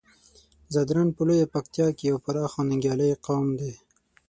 ځدراڼ په لويه پکتيا کې يو پراخ او ننګيالی قوم دی.